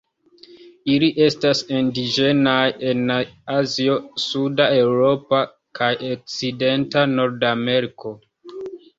Ili estas indiĝenaj en Azio, suda Eŭropo kaj okcidenta Nordameriko.